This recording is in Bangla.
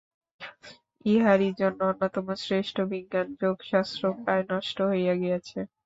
ইহারই জন্য অন্যতম শ্রেষ্ঠ বিজ্ঞান যোগশাস্ত্র প্রায় নষ্ট হইয়া গিয়াছে।